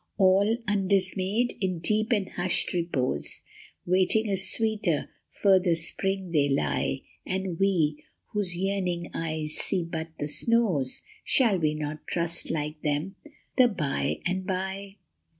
All undismayed, in deep and hushed repose, Waiting a sweeter, further spring, they lie ; And we, whose yearning eyes see but the snows, Shall we not trust, like them, the by and by